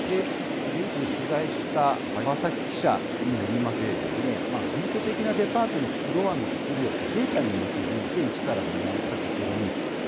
現地で取材した河崎記者によりますと、典型的なデパートのフロアのつくりをデータに基づいて一から見直した試み。